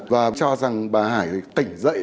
và cho rằng bà hải tỉnh dậy